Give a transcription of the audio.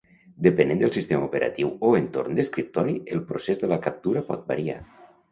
Depenent del sistema operatiu o entorn d'escriptori, el procés de la captura pot variar.